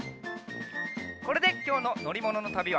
これできょうののりもののたびはおしまい！